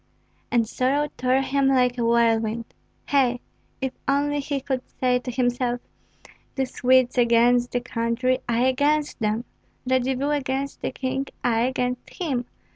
And sorrow tore him like a whirlwind. Hei! if only he could say to himself: "The Swedes against the country, I against them! Radzivill against the king, I against him!"